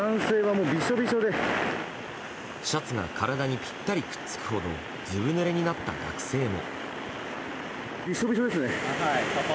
シャツが体にぴったりくっつくほどずぶぬれになった学生も。